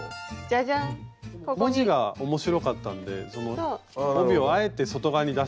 文字が面白かったんでその帯をあえて外側に出してるっていう。